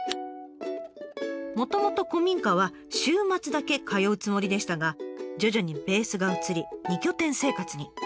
もともと古民家は週末だけ通うつもりでしたが徐々にベースが移り２拠点生活に。